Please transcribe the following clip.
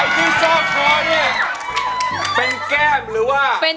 เดี๋ยว